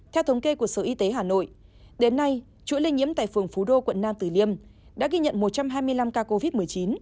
theo thống kê của sở y tế hà nội đến nay chuỗi lây nhiễm tại phường phú đô quận nam tử liêm đã ghi nhận một trăm hai mươi năm ca covid một mươi chín